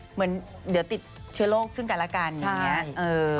เหมือนเดี๋ยวติดเชื้อโรคซึ่งกันแล้วกันอย่างนี้